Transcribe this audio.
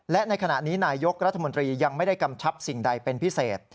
และในขณะนี้นายกรัฐมนตรียังไม่ได้กำชับสิ่งใดเป็นพิเศษ